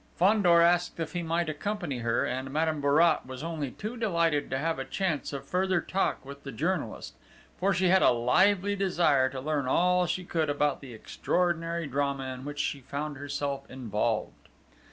Fandor asked if he might accompany her, and Madame Bourrat was only too delighted to have a chance of further talk with the journalist, for she had a lively desire to learn all she could about the extraordinary drama in which she found herself involved.